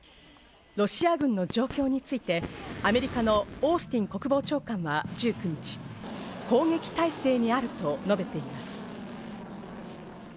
ロシア軍の状況について、アメリカのオースティン国防長官は１９日、攻撃態勢にあると述べています。